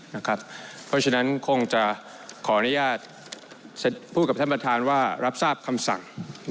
เพราะฉะนั้นคงจะขออนุญาตพูดกับท่านประธานว่ารับทราบคำสั่ง